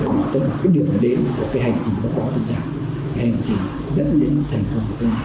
hành trình dẫn đến thành công của cái hành trình tân trào